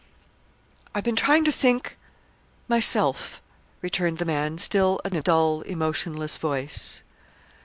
"I've been trying to think, myself," returned the man, still in a dull, emotionless voice.